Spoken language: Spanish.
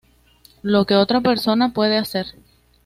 Lo que otra persona puede hacer.